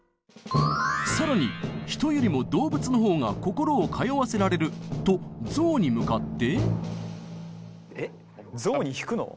更に「人よりも動物のほうが心を通わせられる」と象に向かって。